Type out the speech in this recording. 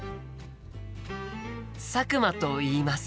佐久間といいます。